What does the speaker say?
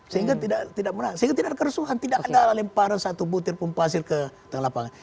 sehingga tidak ada keresuhan tidak ada lemparan satu butir pempasir ke tengah lapangan